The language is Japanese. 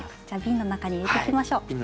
じゃあびんの中に入れていきましょう。